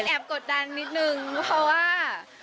แอบกดดันนิดหนึ่งเพราะว่า